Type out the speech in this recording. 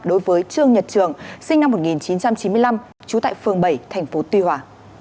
đối với trương nhật trường sinh năm một nghìn chín trăm chín mươi năm chú tại phường bảy tp tuy hòa